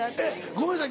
ごめんなさい